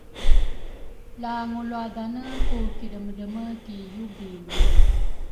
La ngulwadhane ku kidremedreme ki yubingi